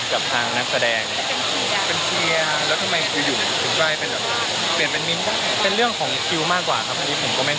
ขอโทษทีมโมตะโก้มอ่าน